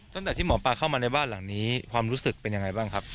ตั้งแต่ที่หมอปลาเข้ามาในบ้านหลังนี้ความรู้สึกเป็นยังไงบ้างครับ